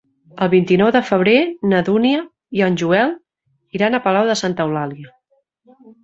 El vint-i-nou de febrer na Dúnia i en Joel iran a Palau de Santa Eulàlia.